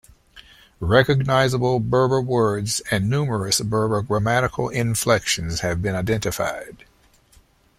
Recognizable Berber words and numerous Berber grammatical inflections have been identified.